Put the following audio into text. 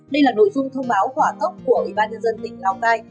đây là nội dung thông báo hỏa tốc của ủy ban nhân dân tỉnh lào cai